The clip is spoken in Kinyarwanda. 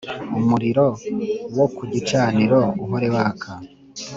Umuriro wo ku gicaniro uhore waka